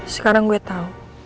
sekarang gue tau